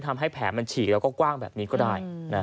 ทำให้แผลมันฉีกแล้วก็กว้างแบบนี้ก็ได้